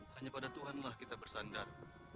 hanya pada tuhan lah kita bersandar